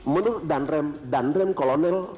menurut dan rem kolonel